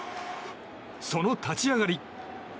その立ち上がり。